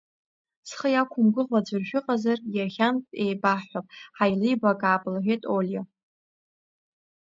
Зхы иақәымгәыӷуа аӡәыр шәыҟазар иахьанатә еибаҳҳәап, ҳаилибакаап, — лҳәеит Олиа.